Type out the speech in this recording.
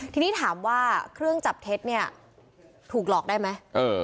ทีนี้ถามว่าเครื่องจับเท็จเนี่ยถูกหลอกได้ไหม